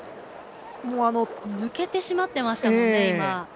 抜けてしまってましたもんね。